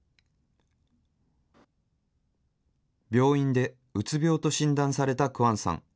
病院で鬱病と診断されたクアンさん。